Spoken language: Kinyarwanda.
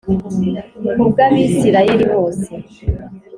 Ku bw abisirayeli bose